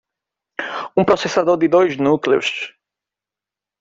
Um processador de dois núcleos.